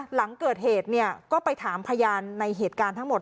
หลังเกิดเหตุเนี่ยก็ไปถามพยานในเหตุการณ์ทั้งหมด